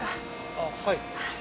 あっはい。